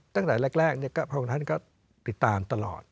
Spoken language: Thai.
ตั้งแต่แรกพระองค์ท่านก็ติดตามตลอด